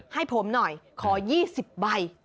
ให้ผมหน่อยขอ๒๐ใบ